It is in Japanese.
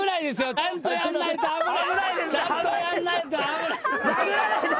ちゃんとやんないと。